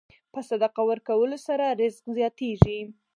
په صدقه ورکولو سره رزق زیاتېږي.